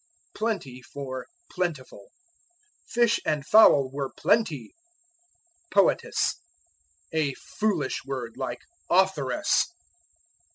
Plenty for Plentiful. "Fish and fowl were plenty." Poetess. A foolish word, like "authoress."